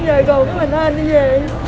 giờ còn có mình hai anh đi về